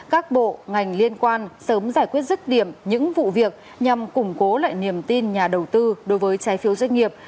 các bộ ngành liên quan sớm giải quyết rứt điểm những vụ việc nhằm củng cố lại niềm tin nhà đầu tư đối với trái phiếu doanh nghiệp